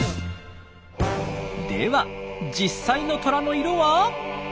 では実際のトラの色は？